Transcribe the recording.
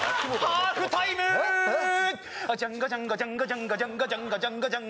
あジャンガジャンガジャンガジャンガジャンガジャンガジャンガジャンガ